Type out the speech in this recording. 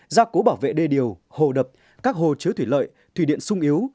gia cố bảo vệ đê điều hồ đập các hồ chứa thủy lợi thủy điện sung yếu